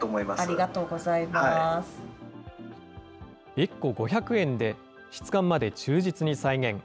１個５００円で、質感まで忠実に再現。